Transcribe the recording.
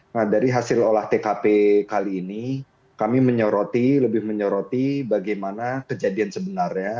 nah dari hasil olah tkp kali ini kami menyoroti lebih menyoroti bagaimana kejadian sebenarnya